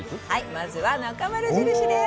まずはなかまる印です。